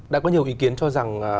đã có nhiều ý kiến cho rằng